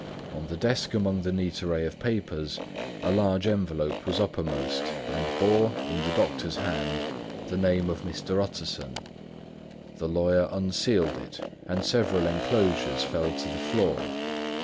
On the desk, among the neat array of papers, a large envelope was uppermost, and bore, in the doctor's hand, the name of Mr. Utterson. The lawyer unsealed it, and several enclosures fell to the floor.